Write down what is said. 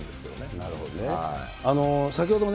なるほどね。